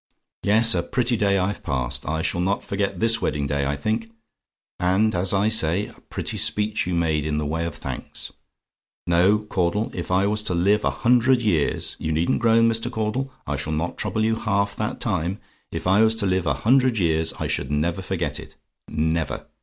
"Yes, a pretty day I've passed. I shall not forget this wedding day, I think! And as I say, a pretty speech you made in the way of thanks. No, Caudle, if I was to live a hundred years you needn't groan, Mr. Caudle, I shall not trouble you half that time if I was to live a hundred years, I should never forget it. Never!